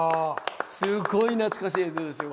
すごい懐かしい映像ですよ